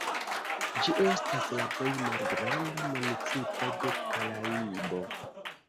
Ĝi estas la plej malgranda municipo de Paraibo.